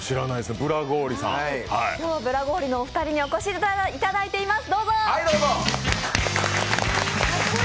ブラゴーリのお二人にお越しいただいています。